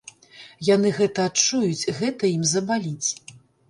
Яны гэта адчуюць, гэта ім забаліць.